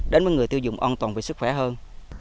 đến với người tiêu dùng an toàn về sức khỏe hơn